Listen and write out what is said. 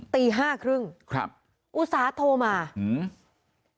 ตี๕๓๐นอุศาโทรมาครับ